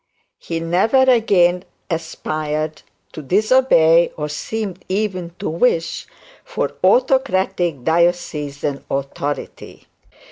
He never again aspired to disobey, or seemed even to wish for autocratic diocesan authority.